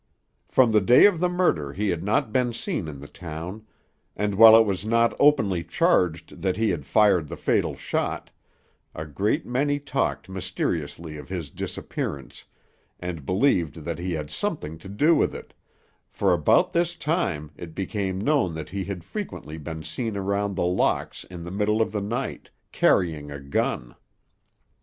From the day of the murder he had not been seen in the town, and while it was not openly charged that he had fired the fatal shot, a great many talked mysteriously of his disappearance, and believed that he had something to do with it, for about this time it became known that he had frequently been seen around The Locks in the middle of the night, carrying a gun.